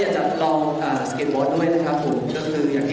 ยังครดรัฐประมาณนี้